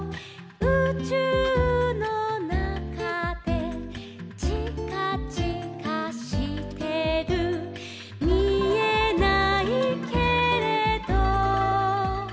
「うちゅうのなかで」「ちかちかしてる」「みえないけれど」